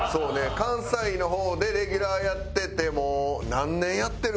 関西の方でレギュラーやっててもう何年やってる？